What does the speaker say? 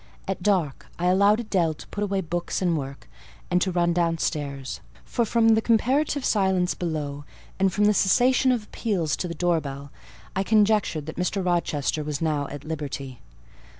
At dark I allowed Adèle to put away books and work, and to run downstairs; for, from the comparative silence below, and from the cessation of appeals to the door bell, I conjectured that Mr. Rochester was now at liberty.